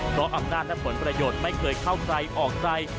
เพราะอำนาจและผลประโยชน์ไม่เคยเข้าใครออกใจ